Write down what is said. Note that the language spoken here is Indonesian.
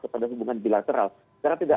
kepada hubungan bilateral karena tidak